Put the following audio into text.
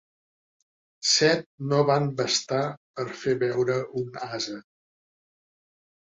Set no van bastar per fer beure un ase.